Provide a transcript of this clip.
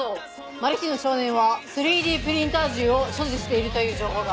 マルヒの少年は３Ｄプリンター銃を所持しているという情報が。